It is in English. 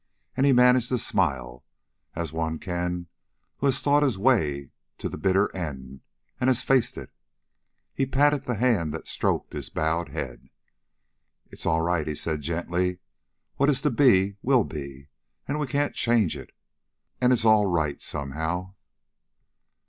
And he managed a smile, as one can who has thought his way through to the bitter end and has faced it. He patted the hand that had stroked his bowed head. "It's all right," he said gently. "What is to be, will be and we can't change it. And it's all right somehow."